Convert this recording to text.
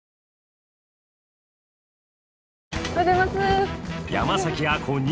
おはようございます。